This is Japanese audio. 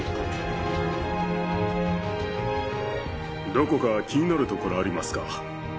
どこか気になるところありますか？